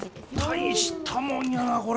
大したもんやなこれ。